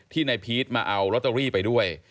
นายพีชมาเอาลอตเตอรี่ไปด้วย